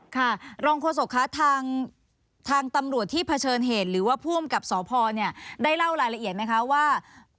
ค่ะรองโฆษกคะทางตำรวจที่เผชิญเหตุหรือว่าผู้อำกับสพเนี่ยได้เล่ารายละเอียดไหมคะว่า